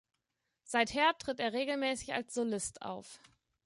Seither tritt er regelmäßig als Solist auf.